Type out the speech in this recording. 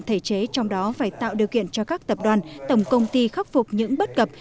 thể chế trong đó phải tạo điều kiện cho các tập đoàn tổng công ty khắc phục những bất cập